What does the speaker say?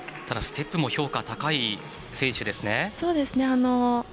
ただ、ステップも評価が高い選手ですね。